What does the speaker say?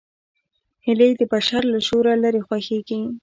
هیلۍ د بشر له شوره لیرې خوښېږي